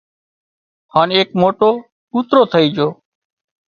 هانَ ايڪ موٽو ڪُوترو ٿئي جھو